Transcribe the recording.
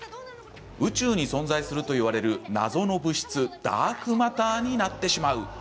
宇宙に存在するといわれる謎の物質、ダークマターになってしまう！